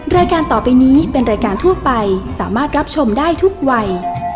รายการต่อไปนี้เป็นรายการทั่วไปสามารถรับชมได้ทุกวัย